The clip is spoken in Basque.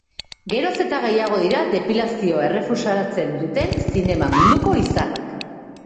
Geroz eta gehiago dira depilazioa errefusatzen duten zinema munduko izarrak.